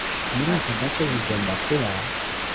Muri aka gace zigomba kuba